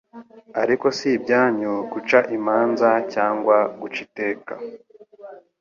Ariko si ibyanyu guca imanza cyangwa guca iteka.